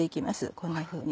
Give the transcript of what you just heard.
こんなふうに。